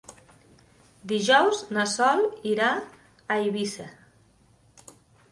Dijous na Sol irà a Eivissa.